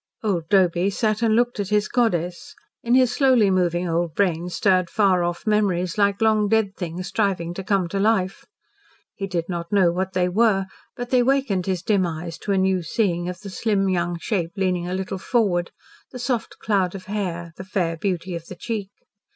Old Doby sat and looked at his goddess. In his slowly moving old brain stirred far off memories like long dead things striving to come to life. He did not know what they were, but they wakened his dim eyes to a new seeing of the slim young shape leaning a little forward, the soft cloud of hair, the fair beauty of the cheek.